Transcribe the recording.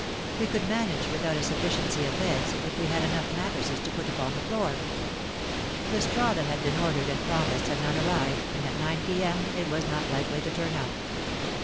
We could manage without a sufficiency of beds, if we had enough mattresses to put upon the floor. The straw that had been ordered and promised had not arrived, and at 9 p.m. it was not likely to turn up.